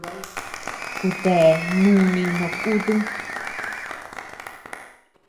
Kutea núni no kutum.